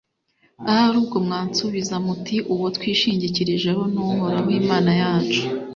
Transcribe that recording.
Ahari ubwo mwansubiza muti ’Uwo twishingikirijeho ni Uhoraho Imana yacu’,